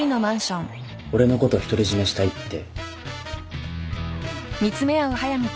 俺のこと独り占めしたいって